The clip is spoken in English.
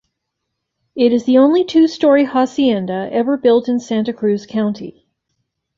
It is the only two story hacienda ever built in Santa Cruz County.